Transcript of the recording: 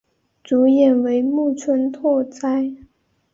主演为木村拓哉。